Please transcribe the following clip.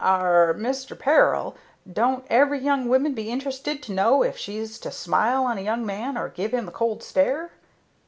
"Arrah, Mister Peril, don't every young woman be interested to know if she's to smile on a young man or give him the cold stare?"